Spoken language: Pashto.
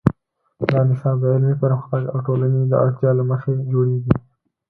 دا نصاب د علمي پرمختګ او ټولنې د اړتیاوو له مخې جوړیږي.